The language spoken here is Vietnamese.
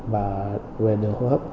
và về điều hô hấp